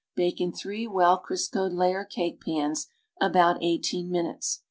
Bake in three well Criscoed layer cake pans about eighteen minutes.